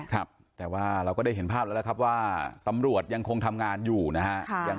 ครับแต่ว่าเราก็ได้เห็นภาพแล้วนะครับว่าตำรวจยังคงทำงานอยู่นะฮะ